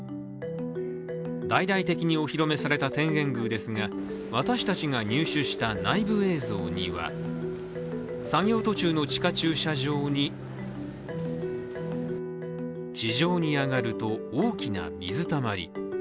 大々的にお披露目された天苑宮ですが私たちが入手した内部映像には作業途中の地下駐車場に地上に上がると、大きな水たまり。